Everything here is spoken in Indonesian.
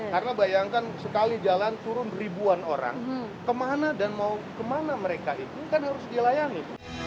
karena bayangkan sekali jalan turun ribuan orang kemana dan mau kemana mereka itu kan harus dilayani